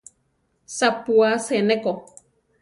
Sapú asé ne ko.